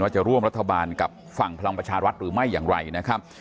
จะร่วมรัฐบาลกับฝั่งพลังประชารัฐหรือไม่อย่างไรนะครับ